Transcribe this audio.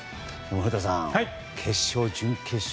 古田さん、決勝、準決勝